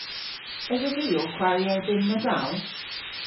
Esov vy ow kwari erbynn Nadal?